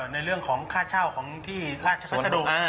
ในเรื่องของค่าเช่าของที่หลาดฉพักษ์สะดุก